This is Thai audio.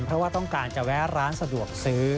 เพราะว่าต้องการจะแวะร้านสะดวกซื้อ